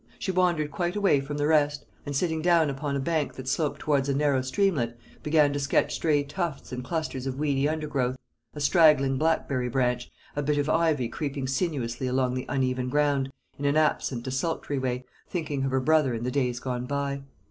She wandered quite away from the rest, and, sitting down upon a bank that sloped towards a narrow streamlet, began to sketch stray tufts and clusters of weedy undergrowth a straggling blackberry branch, a bit of ivy creeping sinuously along the uneven ground in an absent desultory way, thinking of her brother and the days gone by.